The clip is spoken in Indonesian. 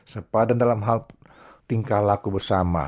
sepadan dalam hal tingkah laku bersama